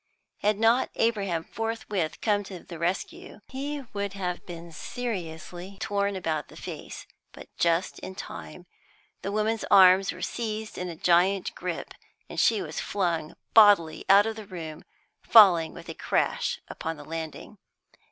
Had not Abraham forthwith come to the rescue, he would have been seriously torn about the face, but just in time the woman's arms were seized in a giant grip, and she was flung bodily out of the room, falling with a crash upon the landing.